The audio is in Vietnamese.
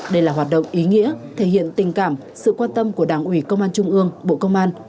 đây là hoạt động ý nghĩa thể hiện tình cảm sự quan tâm của đảng ủy công an trung ương bộ công an